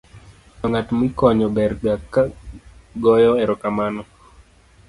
to ng'at mikonyo ber ga goyo erokamano